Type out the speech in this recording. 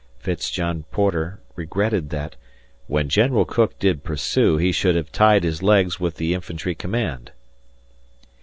Fitz John Porter regretted that "When General Cooke did pursue, he should have tied his legs with the infantry command."